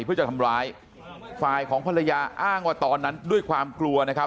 เพื่อจะทำร้ายฝ่ายของภรรยาอ้างว่าตอนนั้นด้วยความกลัวนะครับ